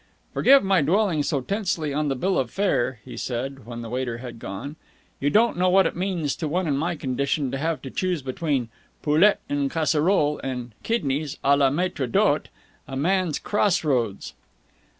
"Forgive my dwelling so tensely on the bill of fare," he said, when the waiter had gone. "You don't know what it means to one in my condition to have to choose between poulet en casserole and kidneys à la mâitre d'hôtel. A man's cross roads!"